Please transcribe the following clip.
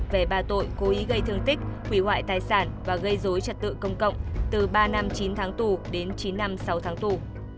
về ba tội cố ý gây thương tích hủy hoại tài sản và gây dối trật tự công cộng từ ba năm chín tháng tù đến chín năm sáu tháng tù